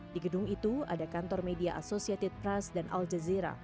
di gedung itu ada kantor media associated trust dan al jazeera